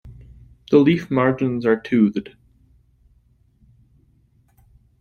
The leaf margins are toothed.